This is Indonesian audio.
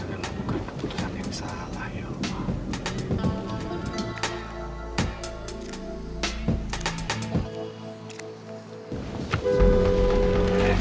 dan lakukan keputusan yang salah ya allah